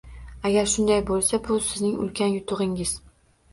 Agar shunday bo‘lsa, bu sizning ulkan yutug‘ingiz.